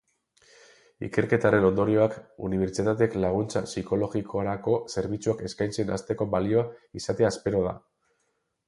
Ikerketaren ondorioak unibertsitateek laguntza psikologikorako zerbitzuak eskaintzen hasteko balio izatea espero da.